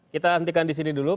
kita hentikan di sini dulu